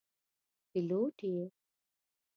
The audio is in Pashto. پیلوټ یې.